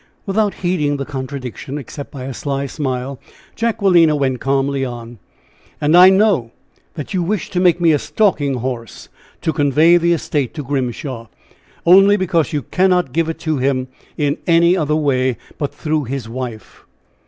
Without heeding the contradiction, except by a sly smile, Jacquelina went calmly on: "And I know that you wish to make me a stalking horse, to convey the estate to Grimshaw, only because you cannot give it to him in any other way but through his wife."